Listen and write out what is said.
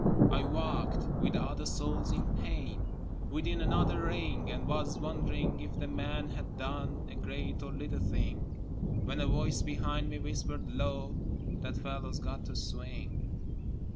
I walked, with other souls in pain, Within another ring, And was wondering if the man had done A great or little thing, When a voice behind me whispered low, "That fellow's got to swing."